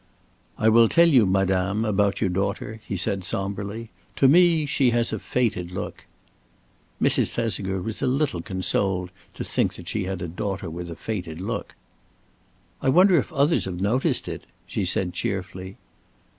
"I will tell you, madame, about your daughter," he said somberly. "To me she has a fated look." Mrs. Thesiger was a little consoled to think that she had a daughter with a fated look. "I wonder if others have noticed it," she said, cheerfully.